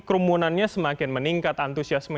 kerumunannya semakin meningkat antusias